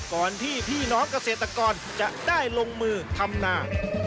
ก่อนที่พี่น้องเกษตรกรจะได้ลงมือทำนา